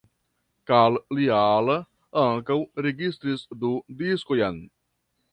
Kalliala ankaŭ registris du diskojn.